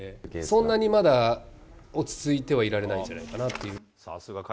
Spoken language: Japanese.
そんなに、まだ落ち着いてはいられないんじゃないかなっていう。